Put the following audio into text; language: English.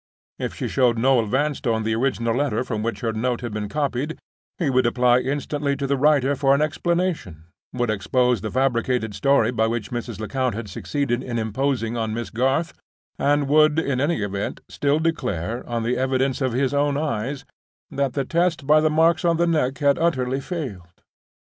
If she showed Noel Vanstone the original letter from which her note had been copied, he would apply instantly to the writer for an explanation: would expose the fabricated story by which Mrs. Lecount had succeeded in imposing on Miss Garth; and would, in any event, still declare, on the evidence of his own eyes, that the test by the marks on the neck had utterly failed.